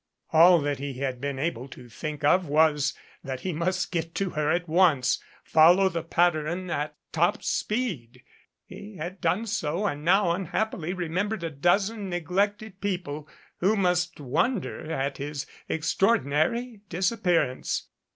All that he had been able to think of was that he must get to her at once, fol low the patteran at top speed. He had done so and now unhappily remembered a dozen neglected people who must wonder at his extraordinary disappearance.